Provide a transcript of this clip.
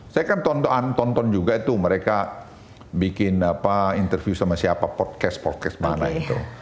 saya kan tonton juga itu mereka bikin interview sama siapa podcast podcast mana itu